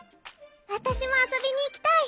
私も遊びに行きたい！